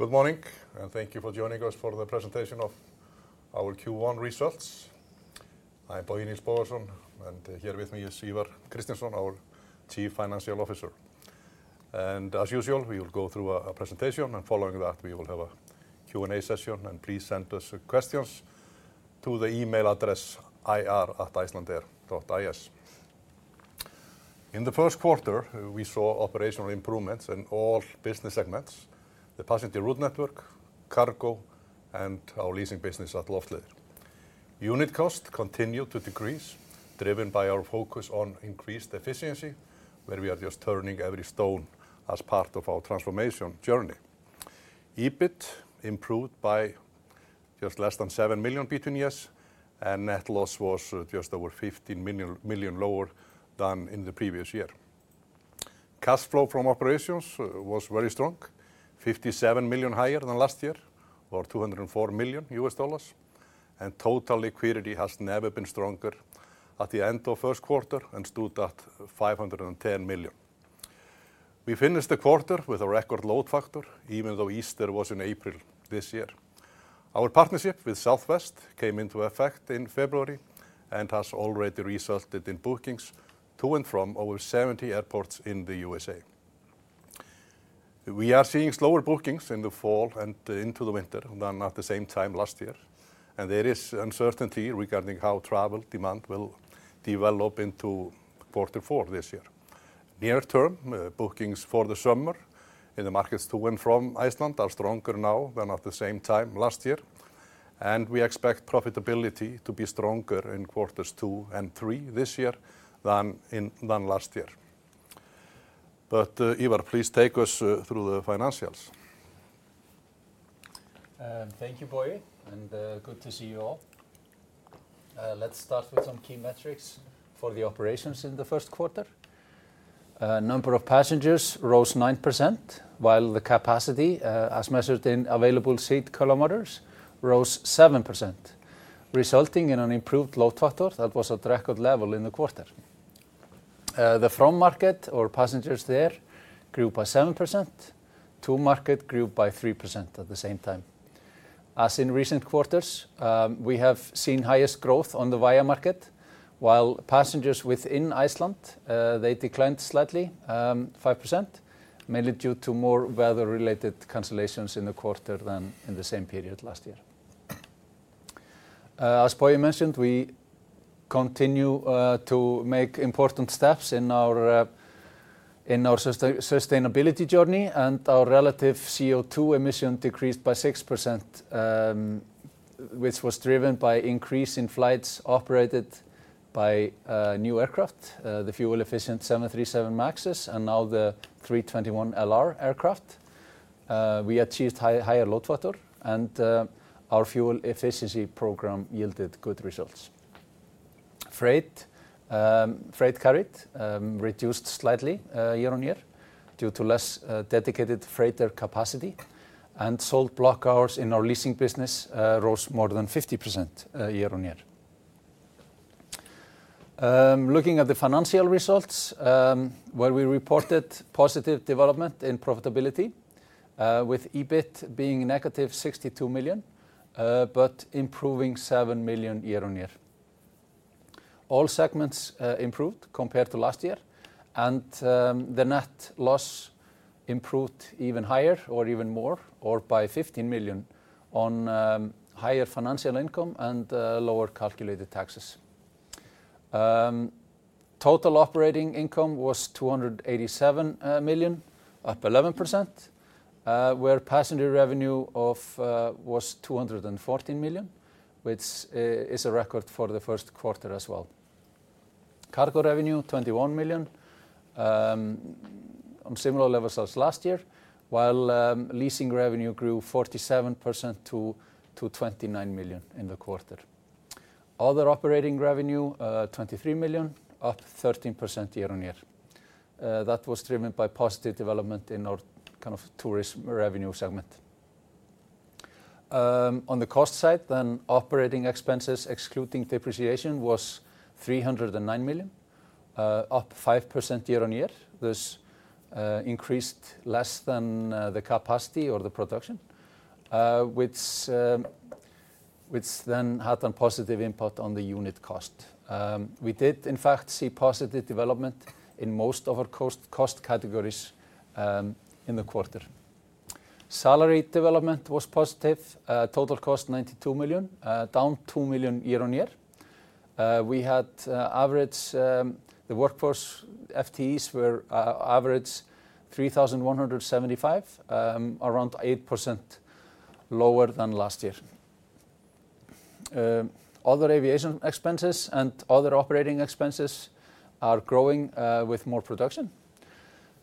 Good morning, and thank you for joining us for the presentation of our Q1 results. I'm Bogi Nils Bogason, and here with me is Ivar Kristinsson, our Chief Financial Officer. As usual, we will go through a presentation, and following that, we will have a Q&A session. Please send us questions to the email address ir@icelandair.is. In the first quarter, we saw operational improvements in all business segments: the passenger route network, cargo, and our leasing business at Loftleiðir. Unit costs continued to decrease, driven by our focus on increased efficiency, where we are just turning every stone as part of our transformation journey. EBIT improved by just less than 7 million between years, and net loss was just over 15 million lower than in the previous year. Cash flow from operations was very strong, 57 million higher than last year, or $204 million, and total liquidity has never been stronger at the end of the first quarter and stood at 510 million. We finished the quarter with a record load factor, even though Easter was in April this year. Our partnership with Southwest Airlines came into effect in February and has already resulted in bookings to and from over 70 airports in the U.S. We are seeing slower bookings in the fall and into the winter than at the same time last year, and there is uncertainty regarding how travel demand will develop into Q4 this year. Near-term bookings for the summer in the markets to and from Iceland are stronger now than at the same time last year, and we expect profitability to be stronger in Q2 and Q3 this year than last year. Ivar, please take us through the financials. Thank you, Bogi, and good to see you all. Let's start with some key metrics for the operations in the first quarter. The number of passengers rose 9%, while the capacity, as measured in available seat kilometers, rose 7%, resulting in an improved load factor that was at record level in the quarter. The from market, or passengers there, grew by 7%. To market, grew by 3% at the same time. As in recent quarters, we have seen highest growth on the via market, while passengers within Iceland, they declined slightly, 5%, mainly due to more weather-related cancellations in the quarter than in the same period last year. As Bogi mentioned, we continue to make important steps in our sustainability journey, and our relative CO2 emission decreased by 6%, which was driven by an increase in flights operated by new aircraft, the fuel-efficient 737 MAX and now the 321LR aircraft. We achieved a higher load factor, and our fuel efficiency program yielded good results. Freight carried reduced slightly year on year due to less dedicated freighter capacity, and sold block hours in our leasing business rose more than 50% year on year. Looking at the financial results, where we reported positive development in profitability, with EBIT being negative 62 million, but improving 7 million year on year. All segments improved compared to last year, and the net loss improved even higher, or even more, or by 15 million on higher financial income and lower calculated taxes. Total operating income was 287 million, up 11%, where passenger revenue was 214 million, which is a record for the first quarter as well. Cargo revenue, 21 million, on similar levels as last year, while leasing revenue grew 47% to 29 million in the quarter. Other operating revenue, 23 million, up 13% year on year. That was driven by positive development in our kind of tourism revenue segment. On the cost side, operating expenses excluding depreciation was 309 million, up 5% year on year. This increased less than the capacity or the production, which then had a positive impact on the unit cost. We did, in fact, see positive development in most of our cost categories in the quarter. Salary development was positive, total cost 92 million, down 2 million year on year. We had average the workforce FTEs were average 3,175, around 8% lower than last year. Other aviation expenses and other operating expenses are growing with more production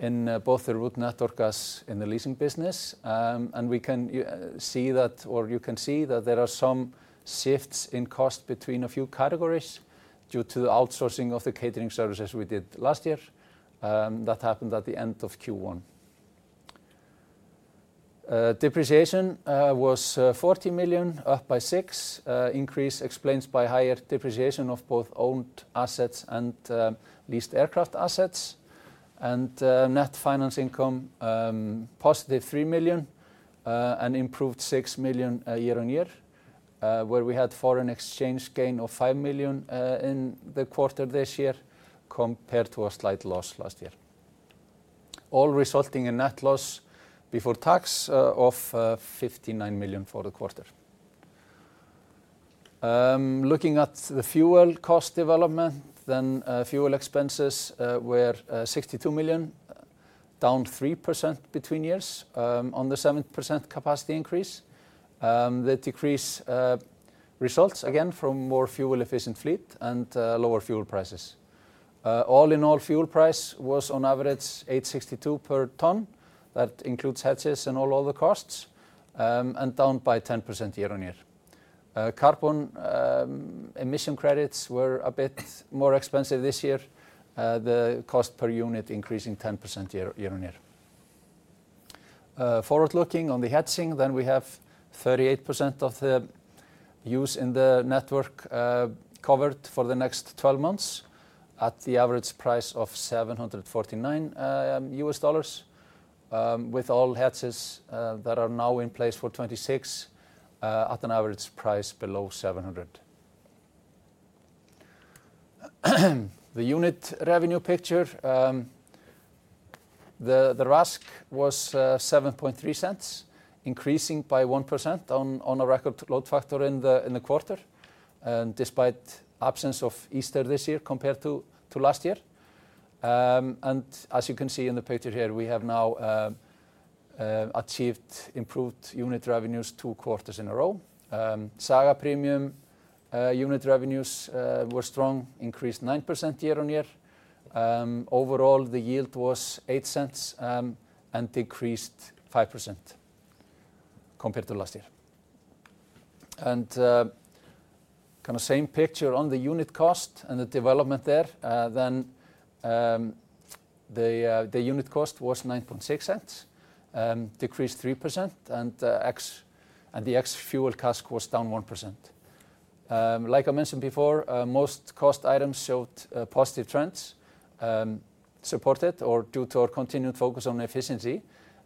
in both the route network as in the leasing business, and we can see that, or you can see that there are some shifts in cost between a few categories due to the outsourcing of the catering services we did last year. That happened at the end of Q1. Depreciation was 40 million, up by 6%, increase explained by higher depreciation of both owned assets and leased aircraft assets, and net finance income positive 3 million and improved 6 million year on year, where we had foreign exchange gain of 5 million in the quarter this year compared to a slight loss last year, all resulting in net loss before tax of 59 million for the quarter. Looking at the fuel cost development, then fuel expenses were 62 million, down 3% between years on the 7% capacity increase. The decrease results again from more fuel-efficient fleet and lower fuel prices. All in all, fuel price was on average 862 per tonne. That includes HECS and all other costs, and down by 10% year on year. Carbon emission credits were a bit more expensive this year, the cost per unit increasing 10% year on year. Forward-looking on the hedging, then we have 38% of the use in the network covered for the next 12 months at the average price of $749, with all hedges that are now in place for 2026 at an average price below 700. The unit revenue picture, the RASK was 0.73, increasing by 1% on a record load factor in the quarter, despite the absence of Easter this year compared to last year. As you can see in the picture here, we have now achieved improved unit revenues two quarters in a row. Saga Premium unit revenues were strong, increased 9% year on year. Overall, the yield was 0.08 and decreased 5% compared to last year. Kind of same picture on the unit cost and the development there, then the unit cost was 0.96, decreased 3%, and the ex-fuel cost was down 1%. Like I mentioned before, most cost items showed positive trends supported or due to our continued focus on efficiency,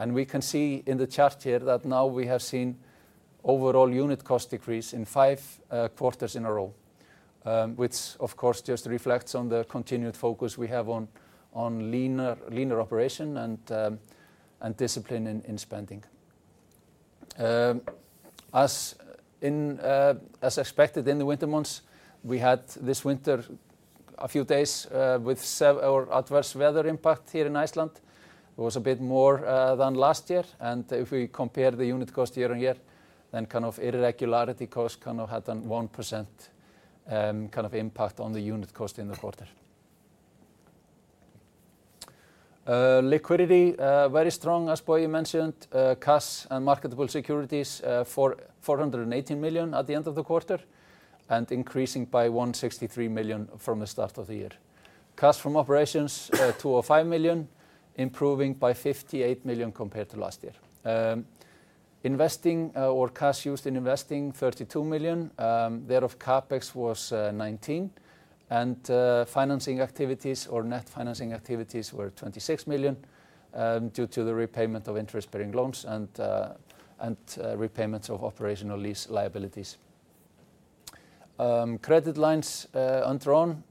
and we can see in the chart here that now we have seen overall unit cost decrease in five quarters in a row, which of course just reflects on the continued focus we have on leaner operation and discipline in spending. As expected in the winter months, we had this winter a few days with our adverse weather impact here in Iceland. It was a bit more than last year, and if we compare the unit cost year on year, then kind of irregularity cost kind of had a 1% kind of impact on the unit cost in the quarter. Liquidity, very strong, as Bogi mentioned, cash and marketable securities for 418 million at the end of the quarter and increasing by 163 million from the start of the year. Cash from operations, 205 million, improving by 58 million compared to last year. Investing or cash used in investing, 32 million. Thereof CapEx was 19 million, and financing activities or net financing activities were 26 million due to the repayment of interest-bearing loans and repayments of operational lease liabilities. Credit lines and drawn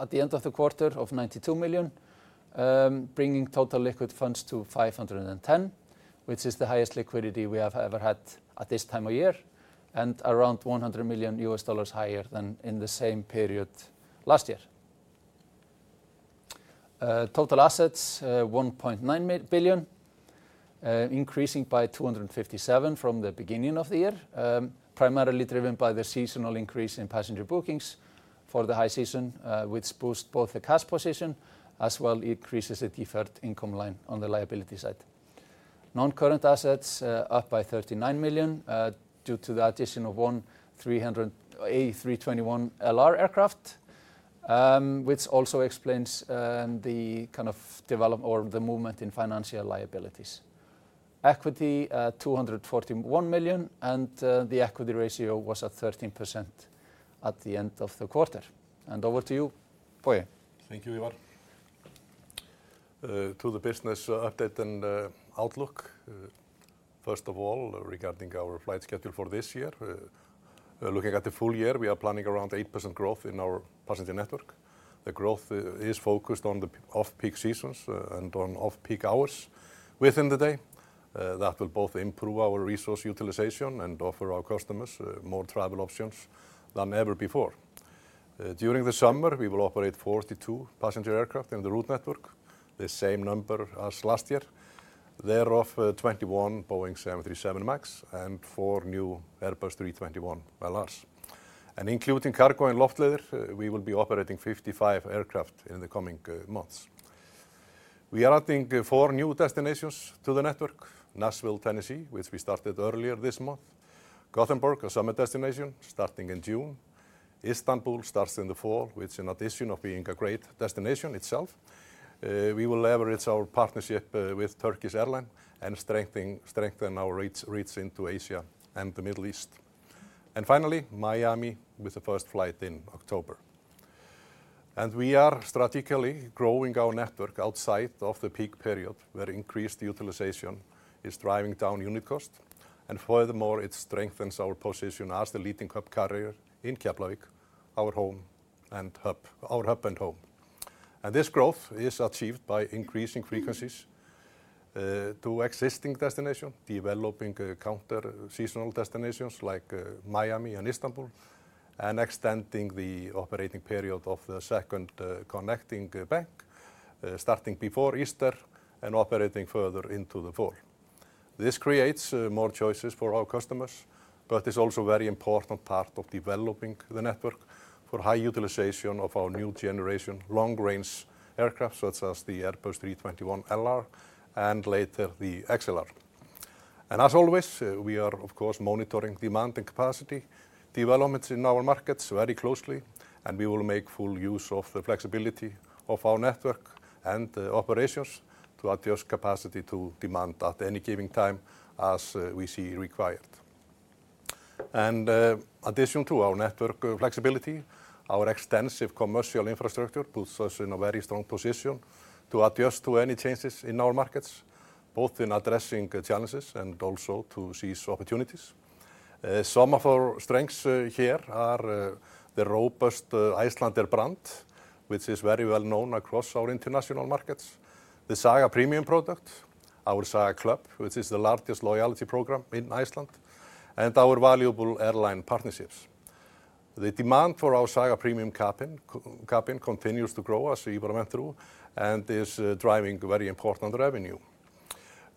at the end of the quarter of 92 million, bringing total liquid funds to 510 million, which is the highest liquidity we have ever had at this time of year and around $100 million higher than in the same period last year. Total assets, 1.9 billion, increasing by 257 million from the beginning of the year, primarily driven by the seasonal increase in passenger bookings for the high season, which boosts both the cash position as well as increases the deferred income line on the liability side. Non-current assets up by 39 million due to the addition of one 321LR aircraft, which also explains the kind of development or the movement in financial liabilities. Equity, 241 million, and the equity ratio was at 13% at the end of the quarter. Over to you, Bogi. Thank you, Ivar. To the business update and outlook, first of all, regarding our flight schedule for this year, looking at the full year, we are planning around 8% growth in our passenger network. The growth is focused on the off-peak seasons and on off-peak hours within the day. That will both improve our resource utilization and offer our customers more travel options than ever before. During the summer, we will operate 42 passenger aircraft in the route network, the same number as last year, thereof 21 Boeing 737 MAX and four new Airbus A321LRs. Including cargo and Loftleiðir, we will be operating 55 aircraft in the coming months. We are adding four new destinations to the network: Nashville, Tennessee, which we started earlier this month; Gothenburg, a summer destination starting in June; Istanbul starts in the fall, which in addition to being a great destination itself, we will leverage our partnership with Turkish Airlines and strengthen our routes into Asia and the Middle East. Finally, Miami with the first flight in October. We are strategically growing our network outside of the peak period where increased utilization is driving down unit cost, and furthermore, it strengthens our position as the leading hub carrier in Keflavik, our home and hub. This growth is achieved by increasing frequencies to existing destinations, developing counter-seasonal destinations like Miami and Istanbul, and extending the operating period of the second connecting bank starting before Easter and operating further into the fall. This creates more choices for our customers, but it is also a very important part of developing the network for high utilization of our new generation long-range aircraft, such as the Airbus A321LR and later the XLR. As always, we are of course monitoring demand and capacity developments in our markets very closely, and we will make full use of the flexibility of our network and operations to adjust capacity to demand at any given time as we see required. In addition to our network flexibility, our extensive commercial infrastructure puts us in a very strong position to adjust to any changes in our markets, both in addressing challenges and also to seize opportunities. Some of our strengths here are the robust Icelandair brand, which is very well known across our international markets, the Saga Premium product, our Saga Club, which is the largest loyalty program in Iceland, and our valuable airline partnerships. The demand for our Saga Premium cabin continues to grow as Ivar went through and is driving very important revenue.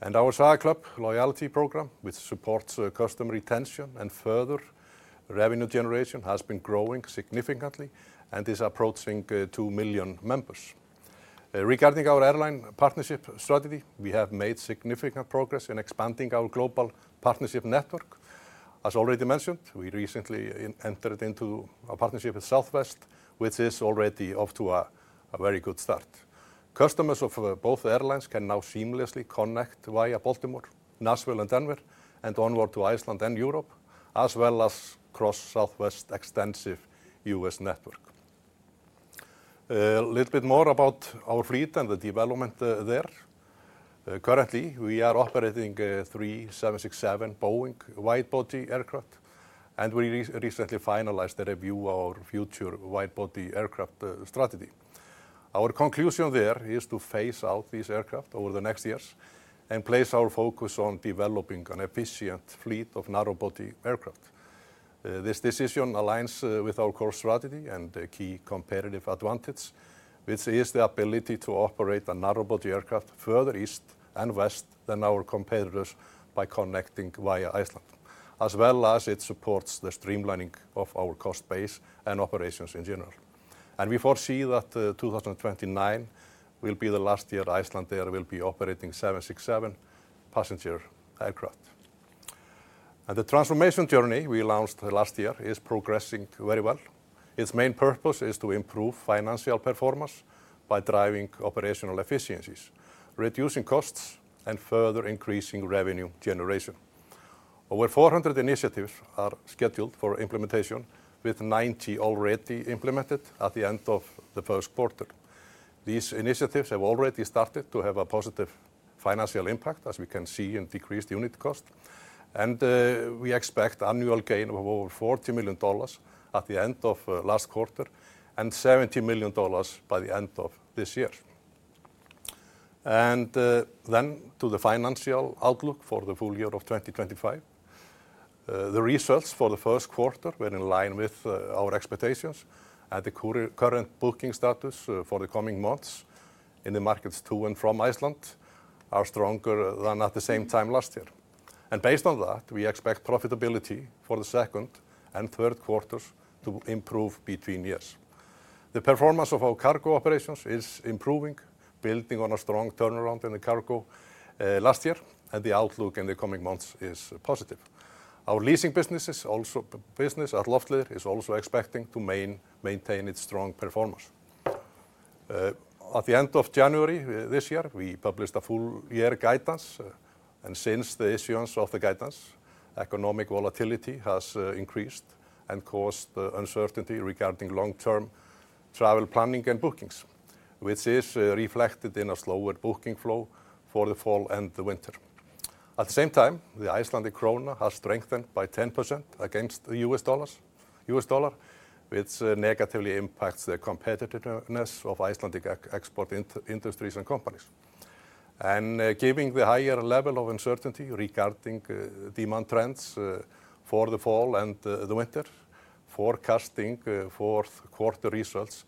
Our Saga Club loyalty program, which supports customer retention and further revenue generation, has been growing significantly and is approaching 2 million members. Regarding our airline partnership strategy, we have made significant progress in expanding our global partnership network. As already mentioned, we recently entered into a partnership with Southwest, which is already off to a very good start. Customers of both airlines can now seamlessly connect via Baltimore, Nashville, and Denver, and onward to Iceland and Europe, as well as across Southwest's extensive U.S. network. A little bit more about our fleet and the development there. Currently, we are operating three Boeing 767 wide-body aircraft, and we recently finalized the review of our future wide-body aircraft strategy. Our conclusion there is to phase out these aircraft over the next years and place our focus on developing an efficient fleet of narrowbody aircraft. This decision aligns with our core strategy and key competitive advantage, which is the ability to operate a narrowbody aircraft further east and west than our competitors by connecting via Iceland, as well as it supports the streamlining of our cost base and operations in general. We foresee that 2029 will be the last year Icelandair will be operating Boeing 767 passenger aircraft. The transformation journey we launched last year is progressing very well. Its main purpose is to improve financial performance by driving operational efficiencies, reducing costs, and further increasing revenue generation. Over 400 initiatives are scheduled for implementation, with 90 already implemented at the end of the first quarter. These initiatives have already started to have a positive financial impact, as we can see in decreased unit cost, and we expect annual gain of over $40 million at the end of the last quarter and $70 million by the end of this year. To the financial outlook for the full year of 2025, the results for the first quarter were in line with our expectations, and the current booking status for the coming months in the markets to and from Iceland are stronger than at the same time last year. Based on that, we expect profitability for the second and third quarters to improve between years. The performance of our cargo operations is improving, building on a strong turnaround in the cargo last year, and the outlook in the coming months is positive. Our leasing businesses, also business at Loftleiðir, is also expecting to maintain its strong performance. At the end of January this year, we published a full-year guidance, and since the issuance of the guidance, economic volatility has increased and caused uncertainty regarding long-term travel planning and bookings, which is reflected in a slower booking flow for the fall and the winter. At the same time, the Icelandic krona has strengthened by 10% against the US dollar, which negatively impacts the competitiveness of Icelandic export industries and companies. Given the higher level of uncertainty regarding demand trends for the fall and the winter, forecasting fourth quarter results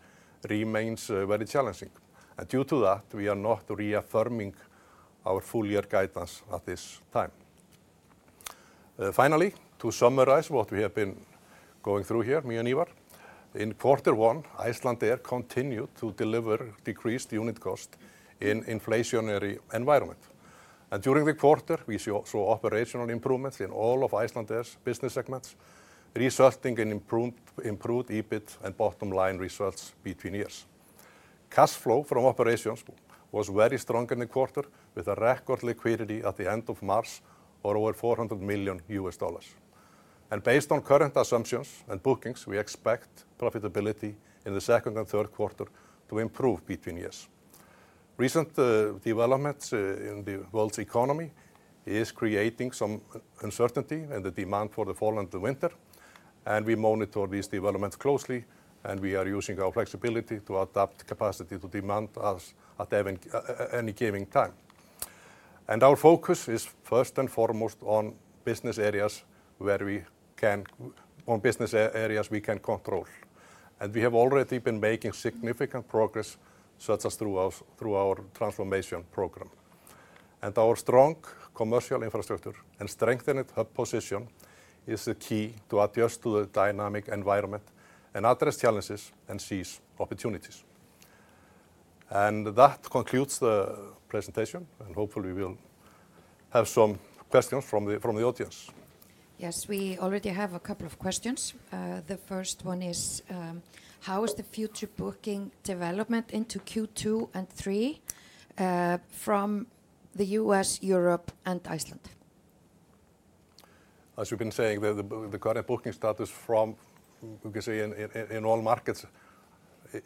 remains very challenging. Due to that, we are not reaffirming our full-year guidance at this time. Finally, to summarize what we have been going through here, me and Ivar, in quarter one, Icelandair continued to deliver decreased unit cost in an inflationary environment. During the quarter, we saw operational improvements in all of Icelandair's business segments, resulting in improved EBIT and bottom-line results between years. Cash flow from operations was very strong in the quarter, with a record liquidity at the end of March of over $400 million US dollars. Based on current assumptions and bookings, we expect profitability in the second and third quarter to improve between years. Recent developments in the world's economy are creating some uncertainty in the demand for the fall and the winter, and we monitor these developments closely, and we are using our flexibility to adapt capacity to demand at any given time. Our focus is first and foremost on business areas where we can control. We have already been making significant progress such as through our transformation program. Our strong commercial infrastructure and strengthened hub position is the key to adjust to the dynamic environment and address challenges and seize opportunities. That concludes the presentation, and hopefully we will have some questions from the audience. Yes, we already have a couple of questions. The first one is, how is the future booking development into Q2 and Q3 from the US, Europe, and Iceland? As we've been saying, the current booking status from, you can say, in all markets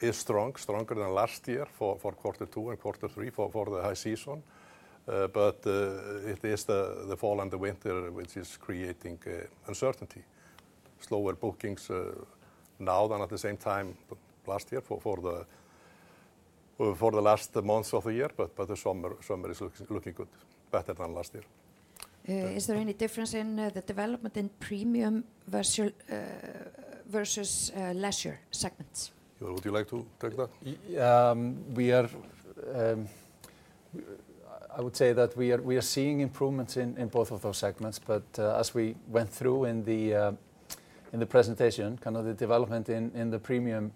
is strong, stronger than last year for quarter two and quarter three for the high season. It is the fall and the winter which is creating uncertainty. Slower bookings now than at the same time last year for the last months of the year, but the summer is looking good, better than last year. Is there any difference in the development in premium versus leisure segments? Would you like to take that? I would say that we are seeing improvements in both of those segments, but as we went through in the presentation, kind of the development in the premium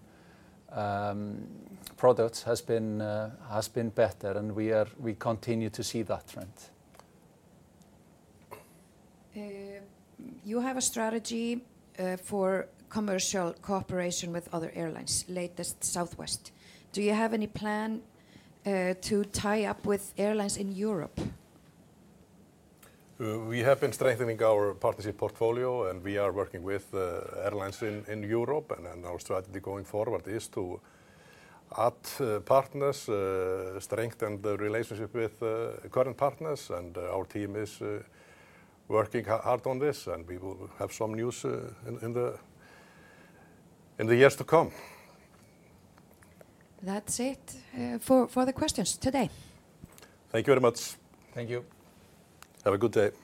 products has been better, and we continue to see that trend. You have a strategy for commercial cooperation with other airlines, latest Southwest. Do you have any plan to tie up with airlines in Europe? We have been strengthening our partnership portfolio, and we are working with airlines in Europe, and our strategy going forward is to add partners, strengthen the relationship with current partners, and our team is working hard on this, and we will have some news in the years to come. That's it for the questions today. Thank you very much. Thank you. Have a good day.